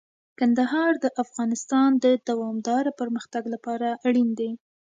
کندهار د افغانستان د دوامداره پرمختګ لپاره اړین دی.